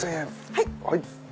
はい。